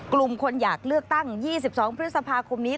กลุ่มคนอยากเลือกตั้ง๒๒พฤษภาคมนี้